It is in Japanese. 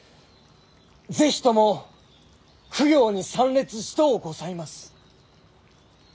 是非とも供養に参列しとうございます。